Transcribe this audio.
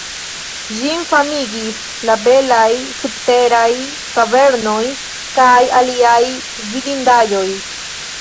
Ĝin famigis la belaj subteraj kavernoj kaj aliaj vidindaĵoj.